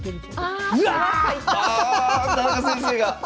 あ田中先生が！